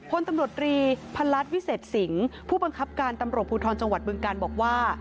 พลตำรวจรีพันลัดวิเศษสิงห์ผู้บังคับการตำรวจภูทรจังหวัดบึงการบอกว่า